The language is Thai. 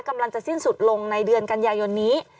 กำลังจะสิ้นสุดลงในเดือนกันยายนนี้